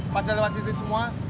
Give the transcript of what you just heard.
padahal lewat situ semua